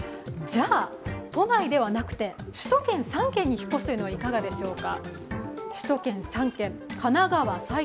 都内ではなくて首都圏３県に引っ越すのはどうでしょうか。